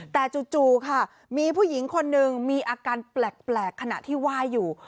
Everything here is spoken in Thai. แต่จู่ค่ะมีผู้หญิงคนหนึ่งมีอาการแปลกขณะที่ไหว้อยู่